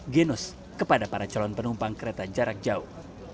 genos kepada para calon penumpang kereta jarak jauh